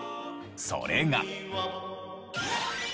それが。